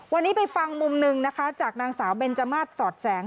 วันนี้ไปฟังมุมหนึ่งนะคะจากนางสาวเบนจมาสสอดแสง